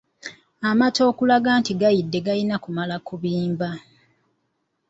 Amata okulaga nti gayidde gayina kumala kubimba.